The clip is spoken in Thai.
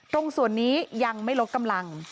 ตรงส่วนนี้ยังไม่ลดกำลัง